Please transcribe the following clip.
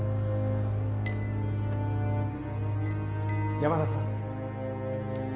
山田さん。